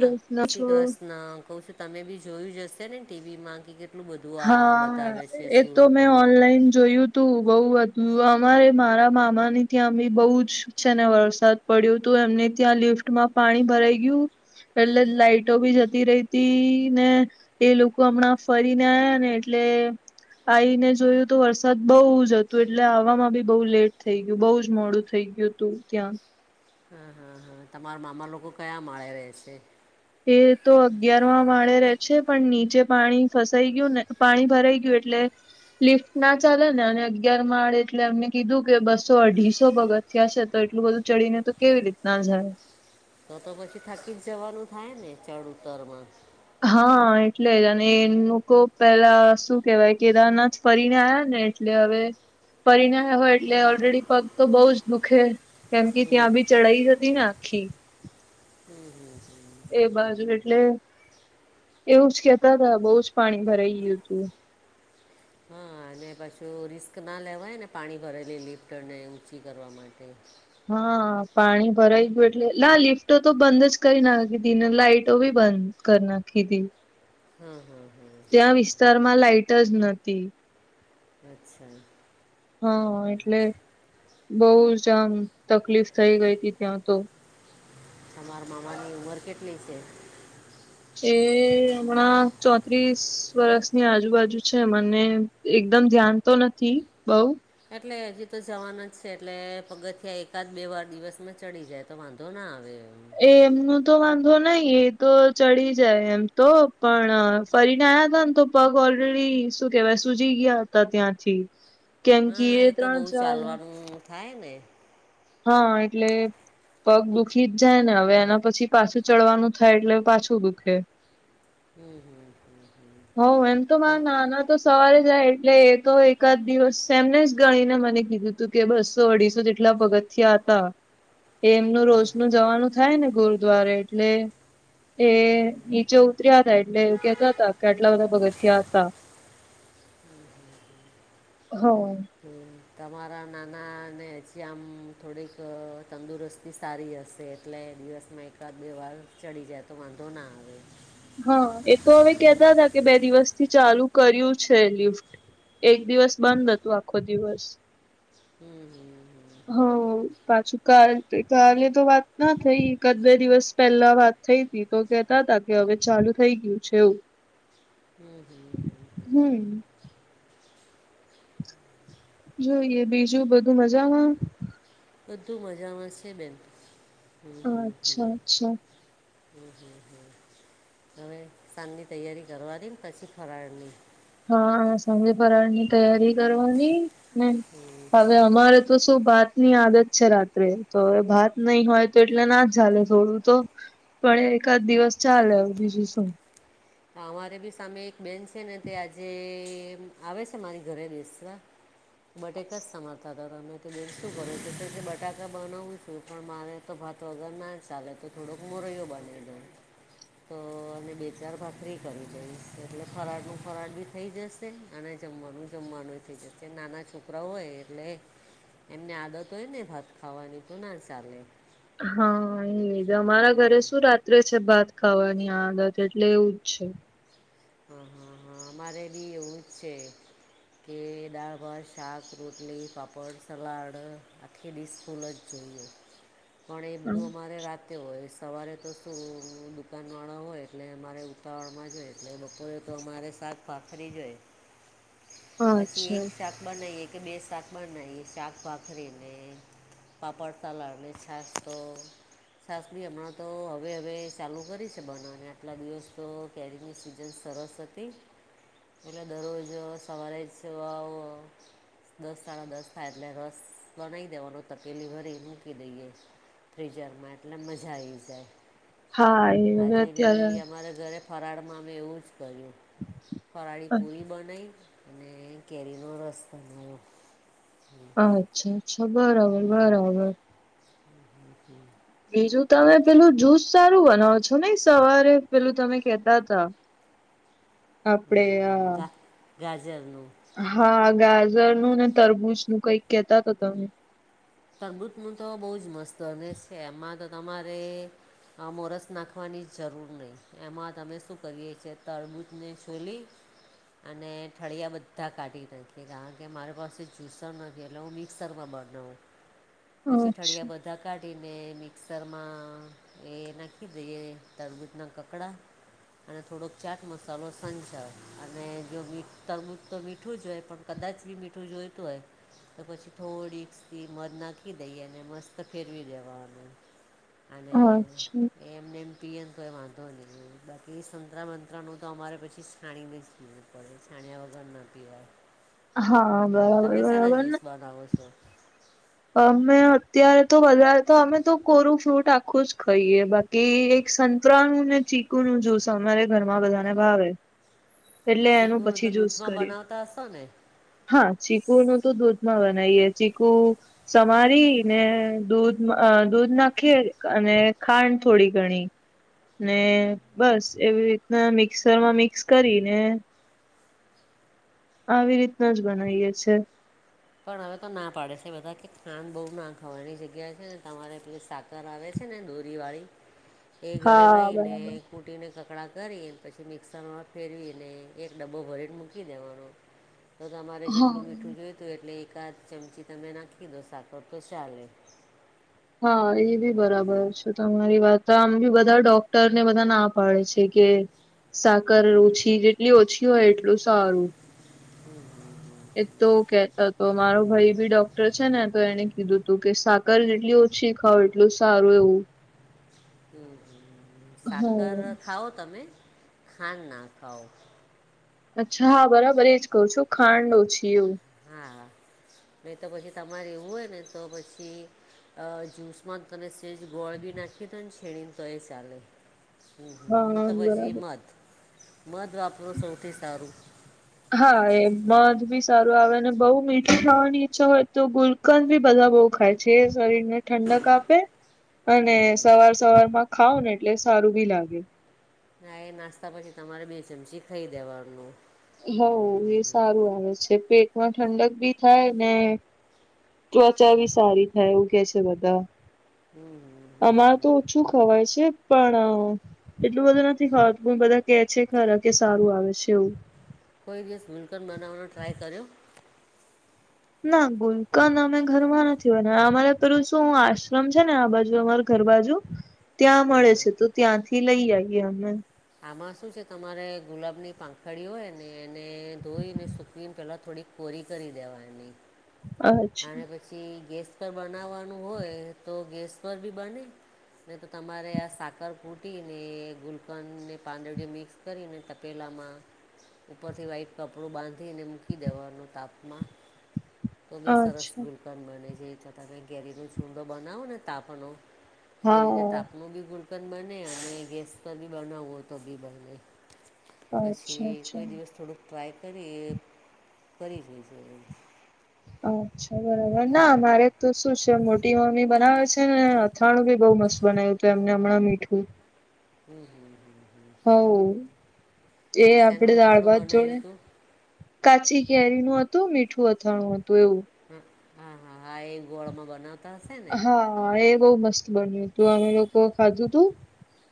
હા પ્રશ્ન જય શ્રી છો કૃષ્ણ કઉ છું તમે બી જોયું જશે નેને ટીવી માં હા એ તો મે સુરતનું ઓનલાઈન જોયું તું તું બઉુ હતું અમારે મારા મામાની ત્યા બહુ જ છે ને વરસાદ [unintelligible] પડ્યું તું એમને ત્યાં લિફ્ટમાં પાણી ભરાઈ ગયું એટલે લાાઈટો ભી જતી રહી હતી ને એ લોકો હમણાં ફરી ને આવ્યા ને એટલે [unintelligible] આવીને જોયું તો વરસાદ બહુ જ હતો એટલે આવામાં બી બહુ લેટ થઈ ગયું બહુ જ મોડું થઈ ગયું. તું ત્યાં હા હા હા તમારા મામા લોકો કયા માળે રહે છે? એ તો અગિયાર માં માળે રહે છે પણ નીચે પાણી ફસાઈ ગયું ને પાણી ભરાઈ ગયું એટલે લિફ્ટ ના ચાલે ને અને અગિયાર માળ એટલે એમને કીધું કે બસો અઢીસો પગથિયા ત્યાં હશે તો એટલું બધું ચડીને તો કેવી રીત ના જાય તો તો પછી થાકી જ જવાનું થાય ને ચડ ઉતર માં હા એટલે જ અને એમ લોકો પેલા શું કહેવાય કેદારનાથ ફરીને આયા ને એટલે હવે ફરીને આવયા હોય એટલે ઓલરેડી પગ તો બહુ જ દુખે કેમ કે હમ ત્યાં બી ચઢાઈ હતી ને આખી એ બાજુ એટલે એવું જ કેતા હતા બહુ જ પાણી ભરાઈ ગયું હતું હા અને પાછું રિસ્ક ના લેવાય ને પાણી ભરેલી લિફ્ટરને ઊંચી કરવા માટે. હા પાણી ભરાઈ ગયું એટલે ના લિફ્ટો તો બંધ જ કરી નાખી તી ને લાાઈટો બી બંધ કર નાખીતી. હમ હા. હા ત્યાં વિસ્તારમાં લાઈટ જ નથી. અચ્છા. હા એટલે બહુ આમ તકલીફ થઈ ગઈ હતી ત્યાં તો. તમારા મામાની ઉંમર કેટલી છે? એ હમણાં ચોત્રીસ વર્ષની આજુબાજુ છે. મને એકદમ ધ્યાન તો નથી બહુ એટલે હજી તો જવાનું જ છે એટલે પગથિયા એકાદ બે વાર દિવસમાં ચડી જાય. તો વાંધો ના આવે. એ એમનું તો વાંધો નહી એ તો ચડી જાય એમ તો પણ ફરીને આયા હતા ને તો પગ ઓલરેડી શું કકેવાય ને સુજી જઈ ગયા હતા ત્યાંથી. કેમ કે હા એ તો બહુ ત્રણ ચાર ચાલવાનું થાય ને. હા એટલે પગ દુઃખી જ જાય ને હવે એના પછી પાછું ચડવાનું થાય એટલે પાછું દુખે. હમ હમ હો એમ તો મારા તમ- નાના તો સવારે જાય એટલે એ તો એકાદ દિવસ એમને જ ગણીને મને કીધું કે બસો અઢીસો જેટલા પગથિયા હતા. એ એમનું રોજનું જવાનું થાય ને ગુરુદ્વારે એટલે એ નીચે ઉતર્યા હતા એટલે કેતા હતા કે આટલા બધા પગથિયા હતા. હા. હમ. તમારા નાનાને હજી આમ થોડીક તંદુરસ્તી સારી હશે એટલે દિવસમાં એકાદ બે વાર ચડી જાય તો વાંધો ના આવે. હા એ તો હવે કેતા હતા કે બે દિવસથી ચાલુ કર્યું છે લિફ્ટ. એક દિવસ બંધ હતું આખો દિવસ. હમ હમ હમ. હા પાછું કાલ કાલે તો વાત ના થઈ એકાદ બે દિવસ પેલા વાત થઈ તી તો કેતા તા કે હવે ચાલુ થઈ ગયું છે એવું. હમ હમ હમ. હમ. જોઈએ, બીજું બધું મજામાં? બધું મજામાં છે બેન. હમ હમ. અચ્છા હમ અચ્છા હમ હમ હવે સાંજની તૈયારી કરવાની ને પછી ફરાળની. હા સાંજે ફરાળ ની તૈયારી કરવાની ને હવે અમારે તો શું ભાત ની આદત છે રાત્રે, તો હવે ભાત નહી હોય તો એટલે ના જ ચાલે થોડું તો પણ એ એકાદ દિવસ ચાલે હવે બીજું શું. અમારે બી સામે એક બેન છે ને તે આજે આવે છે મારી ઘરે બેસવા બટેકા જ સમારતા હતા તમે જે શું કરો છ કે કે બટાકા બનાવું છું પણ મારે તો ભાત વગર ના ચાલે તો થોડોક મોરયો બને દઉ. તો અને બે ચાર ભાત ફ્રી કરી દઈશ એટલે ફરાળનું ફરાળ બી થઈ જશે અને જમવાનું જમવાનું થઈ જશે. જે નાના છોકરા હોય એટલે એમને આદત હોય ને ભાત ખાવાની તો ના ચાલે. હા એ અમારા ઘરે શું રાત્રે છે ભાત ખાવાની આદત એટલે એવું જ છે. હા હા હા અમારે બી એવું જ છે કે દાળ, ભાત, શાક, રોટલી, પાાપડ, સલાડ કે ડિસ ફુલ જ જોઈએ. [unintelligible] પણ એ હમ બધું અમારે રાત તે હોય. સવારે તો શું દુકાનવાળા હોય એટલે મારે ઉતાવળમાં જ હોય. બપરે તો અમારે સાક પાથરી જોય, પછી એક અચ્છા શાક બનાઈએ કે બે શાક બનાઈએ શાક-ભાખરીને પાપડ, સલાડ ને છાસ તો છાસ બી હમણા તો હવે હવે ચાલુ કરી છે બનાવાને આટલા દિવસ તો કેરીની છિઝન સરસ હતી એલે દરરોજ સવારે સીવા અ દસ સાડા દસ થાય એટલે રસ બનાવી દેવાનો તકેલી ભરી મૂકી દઈએ. ફ્રિજરમાં એટલે મજા આવી જાય. હા એ હવે આજે અત્યારે બી અમારે ઘરે ફરાળમાં મેં એવુઝ કર્યું, ફરાળી અ પૂરી બનાવી ને કેરીનો રસ બનાયો. અચ્છા-અચ્છા, બરાબર-બરાબર. [unintelligible] બીજુ તમે પેલુ જૂસ સારુ બનાવો છો ને, સવારે પેલુ તમે કેતા તા. આપડે અમ, આ ગા ગાજરનું. હા ગાજરનુ ને તરબૂજ નું કઈક કેતા તા તમે. તરબુચનું તો બઊ જ મસ્ત ને સે. એમા તો તમારે આમોરસ નાખવાની જરૂર નઈ એમાં તમે સુ કરીએ છે, તળબૂજને છોલી અને ઠળિયા બધા કાઢી નાખે, કાયણ કે મારી પાસે જ્યુસર નથી એલે હું ક્સરમા બનાવ પછી, ઠળિયા અચ્છા બ ધા કાઢીને મિક્સરમા એ નાખી દઈએ, તરબૂજના કકડા. અને થોડોક ચાટ મસાલો, સંજાવ અને જો મીઠ તરબુજ તો મીઠું જ હોય પણ કદાચ બી મીઠું જોઈતું હોય, તો પછી થોડીક મધ નાખી દઈએ અને મસ્ત ફેરવી દેવાનુ અને અચ્છા એમને એમ પીએન તોય વાંધો નઈ બાકી એ સંતરા મંત્રાનુ તો અમારે પછી છાણીને જ પીએ ભરી છાન્યા વગર ના પીવાય. હા, બરાબર-બરાબર ને ગાવ સો અમે અત્યારે તો વધારે તો અમે તો કોરુ ફ્રૂટ આખું જ ખઈએ બા કે એક સંતરા નું ને ચીકુ નું જ્યુસ અમારે ઘરમા બધાને ભાવે. એટલે એનું ચીકુનું તો પછી જ્યુસ દૂધમાં કરીએ. બનાવતા હશો ને હા, ચીકુ નું તો દૂધમાં બનાઈએ. ચીકુ સમારી ને દૂધ અ દૂધ નાખી અને ખાંડ થોડી ઘણી. ને બસ એવી રીતના મિક્સરમાં મિક્સ કરીને આવી રીતના જ બનાઈએ છીએ. પણ હવે તો ના પાડે છે બધા કે ખાન બઉ નાખાવાની જગ્યા છે ને તમારે પલી સાક કર આવે છે ને દોરીવાળી [unintelligible] એ ઘરે હા લાઈ ને બરાબર ફૂટીને કકડાં કરીને પછી મિક્સરમા ફેરવીને એક ડબ્બો ભરીને મૂકી દેવાનો. [unintelligible] તો તમારે હા જેટલુ મીઠું જોઈતુ એટલે એકાદ ચમચી તમે નાખી દો સાકર તો ચાલે. હા એ બી બરાબર છે. તમારી વાત તો આમ બી બધા ડોક્ટર ને બધા ના પાડે છે કે સાકર ઓછી જેટલી ઓછી હોય એટલું સારું. હમ્મ. એ તો કેતા હતો મારો ભાઈ બી ડોક્ટર છે ને તો એને કીધું તું કે સા કલ જેટલી ઓછી ખાવ એટલુ સારુ એવુ. હમ્મ, સાકર હમ ખાઓ તમે ખાંડ ના ખાઓ. અચ્છા હા બરાબર, એજ કહુ છું ખાંડ ઓછી એવુ. હા, નઈ તો પછી તમારે એવું હોય ને તો પછી અ જ્યૂસમાં તને સેજ ગોળ બી નાખી દો ને છીણીને તો એ સાલે. અં હા તો પછી બરાબર મધ મધ વાપર હા એ મધ બી સારું આવે અને બહુ મીઠું ખાવાની ઈચ્છા હોય તો ગુલકંદ બી બધા બઉ ખાય છે શરીરને ઠંડક આપે અને હમ હમ. સવાર સવાર માં ખાવ ને એટલે સારું બી લાગે. ના એ નાસ્તા પછી તમારે બે ચમચી ખાઈ દેવાનું. હ એ સારું આવે છે પેટમાં ઠંડક બી થાય ને ત્વચા બી સારી થાય એવું કે છે બધા હમ. હમ અમારે તો હમ. ઓછું ખવાય છે પણ એટલું બધું નથી ખાવાતું પણ બધા કે છે ખરા કે સારું આવે છે એવું. કોઈ દિવસ મુલ્કન બનાવવાનો ટ્રાય કર્યો. ના ગુલકંદ અમે ઘરમાં નથી બનાવ્યો અમારે પેલું શું આશ્રમ છે ને આ બાજુ અમાર ઘર બાજુ ત્યાં હા મળે હા છે તો ત્યાંથી લઈ આવી એ અમે આમાં શું છે તમારે ગુલાબની પાંખડી હોય ને એને ધોઈને સુકીવીને પેલા થોડીક ફોરી કરી દેવાની અચ્છા. અને પછી ગેસ પર બનાવવાનું હોય તો ગેસ પર બી બને નહી તો તમારે આ સાકર કૂટી ને ગુલકંદ ને પાંદરડીયો મિક્સ કરીને તપેલામાં ઉપરથી વ્હાઈટ કપડું બાંધીને મૂકી દેવાનો તાપમાં તો બી સરસ અચ્છા ગુલકન બને છે તો તમે કેરીનો છુંડો બનાવો ને તાપનો એ રીતે હા તાપનું બી ગુલકન બને અને ગેસ પર બી બનાવવો હોય તો બી બને. અચ્છા પછી અચ્છા. કોઈ દિવસ થોડુંક ટ્રાય કરી કરી જોઈશું એમ. અચ્છા બરાબર ના મારે તો શું છે મોટી મમ્મી બનાવે છે ને અથાણું બી બહુ મસ્ત બનાવ્યું હતું એમને હમણાં મીઠું હમ હમ હમ. હવ એ શેનું આપડે અથાણું દાળભાત જોડે બનાવ્યું હતું કાચી કેરીનું હતું મીઠું અથાણું હતું એવું. હા હા હા હા એ ગોળમાં બનાવ હા એ બવ મસ્ત બન્યું તું અમે લોકો ખાધું તું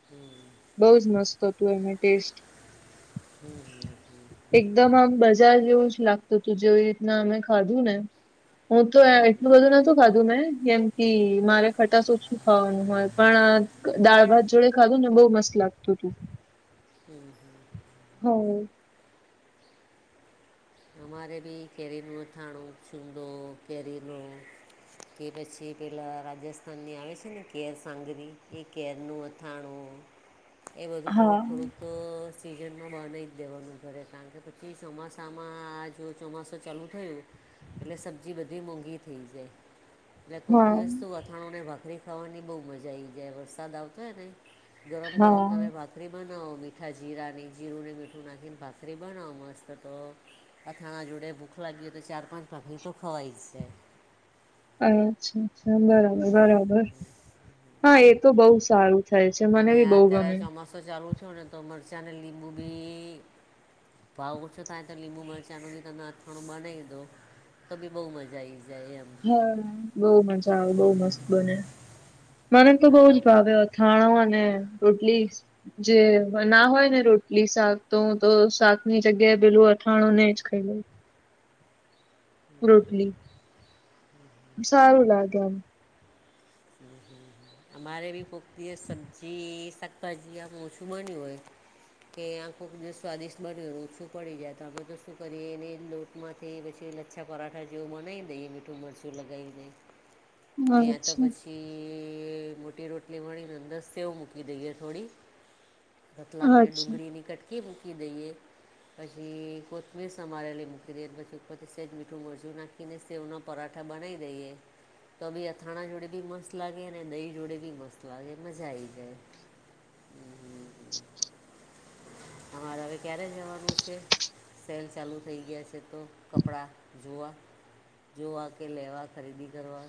હમ. બઉ જ મસ્ત હતું એનો ટેસ્ટ. હમ હમ હમ. એકદમ આમ બજાર જેવું જ લાગતું હતું જેવી રીતના અમે ખાધું ને હું તો એટલું બધું નથી ખાધું ને કેમ કે મારે ખટાસ ઓછું ખાવાનું હોય પણ દાળ ભાત જોડે ખાધું ને બઉ મસ્ત લાગતું તું. હમ હમ. હ. અમારે બી કેરીનું અથાણું છુંદો કેરીનો કે પછી પેલા રાજસ્થાનની આવે છે ને કેર સાંગરી એ કેરનું અથાણું, [inaudible] એ બધું થોડુંક હા થોડુંક સિઝનમાં બનાવી જ દેવાનું ઘરે કારણ કે પછી ચોમાસામાં હા જો ચોમાસું ચાલુ થયું એટલે સબ્જી બધી મોંઘી થઈ જાય. એટલે કોક હા દિવસ તો અથાણુ ને ભાખરી ખાવાની બોવ મજા આવી જાય વરસાદ આવતો હોય ને ગરમ ગરમ તમે હા ભાત ભાખરી બનાવો મીઠા જીરા નહી જીરુંને મીઠું નાખીને ભાખરી બનાવો મસ્ત તો અથાણા જોડે ભૂખ લાગી તો ચાર પાંચ [unintelligible] તો ખવાય છે અચ્છા અ્છા બરાબર બરાબર હા એ તો બહ સારું થાય છે મને બી બહુ ગમે તો ચાલુ છો ને તો મરચા ને લીબુબી ભાવ ઓછું થાય તો લીમંબું મરચા નું બી અથાણુ તને બનાઈ દવ. તો ભી બહુ મજા આ આવી જાય એમ. હા બઉ મજા આવે, બહ મસ્ત બને, મને તો બઉ જ ભાવ્યો હતો. થાણો અને રોટલી જે ના હોય ને રોટલી શાક તો હૂ તો શાક ની જગ્યાએ પેલું અથાણું નને જ ખાઈ લઉં રોટલી સારું લાગ્યામ હમ્મ હમ્મ અમારે બી કોકદિવસ સબ્જી શાકભાજી આ ઓછુંમાની હોય કે આં ખુંબ સ્વાદિષ્ટ બનયું ઓછું પડી જાય તો આપડે તો શું કરીએ એને લોટ માંથી પછી લચ્છા પરાઠા જેવું બનાવી દઈએ મીઠું મરચું લગાવી દઈ. [inaudible] વ તો અચ્છા પછી મોટી રોટલી વળી ને અંદર સેવ મૂકી દઈએ થોડી રતલામીને અચ્છા. ડુંગળીની કટકી મૂકી દઈએ પછી કોથમીર સમારેલી મૂકી દે ને પછી ઉપર થી સેજ મીઠું મરજું નાખી. કીને સેવના પરાઠા બનાવી દઈએ તો બી અથાણા જોડે બી મસ્ત મ લાગે અને દહી જોડે બી મસ્ત લાગે મજા આ આવી જાય [inaudible] અમારે હવે ક્યારે જવાનું છે સેલ ચાલુ થઈ ગયા છે તો કપડાં જોવા જોવા કે લેવા ખરીદી કરવા